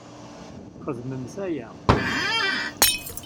Xedmemt aya!